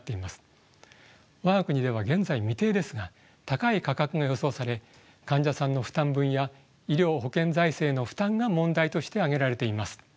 我が国では現在未定ですが高い価格が予想され患者さんの負担分や医療保険財政への負担が問題として挙げられています。